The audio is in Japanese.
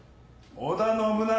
織田信長。